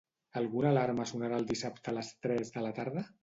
Alguna alarma sonarà el dissabte a les tres de la tarda?